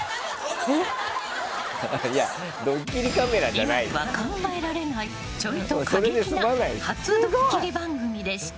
今では考えられないちょいと過激な初ドッキリ番組でした。